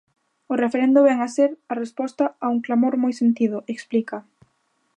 O referendo vén a ser a resposta a un clamor moi sentido, explica.